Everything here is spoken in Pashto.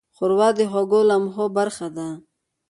ښوروا د خوږو لمحو برخه ده.